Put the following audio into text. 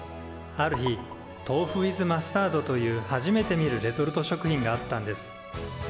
ある日「とうふウィズマスタード」という初めて見るレトルト食品があったんです。